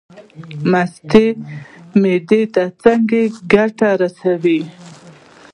مستې معدې ته څه ګټه رسوي؟